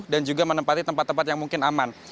dan juga menempatkan tempat tempat yang mungkin aman